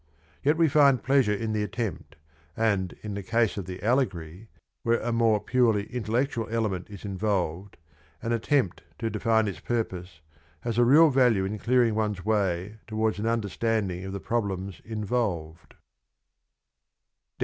Yet we find pleasure in the attempt, and in the case of the allegory, where a more purely intellectual element is involved, an attempt to define its purpose has a real value in clearing one's way towards an understanding of the problems involved.